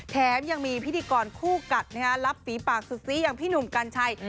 แถมยังมีพิธีกรคู่กัดรับฝีปากสุดซีอย่างพี่หนุ่มกัญชัย